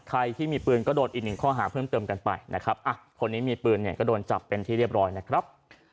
ใครที่มีปืนก็โดนอีกหนึ่งข้อหาเพิ่มเติมกันไปนะครับคนนี้มีปืนเนี่ยก็โดนจับเป็นที่เรียบร้อยนะครับ